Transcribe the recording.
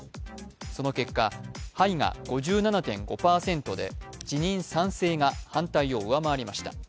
その結果「はい」が５７．５％で辞任賛成が反対を上回りました。